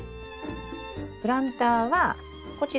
プランターはこちら。